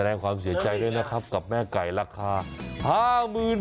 แสดงความเสียใจด้วยนะครับกับแม่ไก่ราคา๕๐๐๐บาท